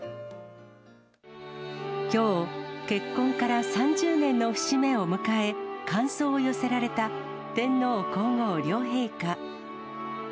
きょう、結婚から３０年の節目を迎え、感想を寄せられた天皇皇后両陛下。